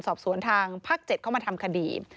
สอบสวนทางภาค๗เข้ามาทำคดี